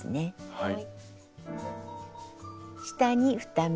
はい。